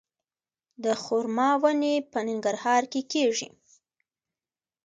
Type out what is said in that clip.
د خرما ونې په ننګرهار کې کیږي؟